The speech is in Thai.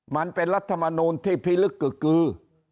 มันเป็นรัฐมนุนที่พิลึกกึกคือ